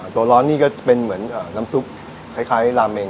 ตัวร้อนนี่ก็เป็นเหมือนน้ำซุปคล้ายราเมง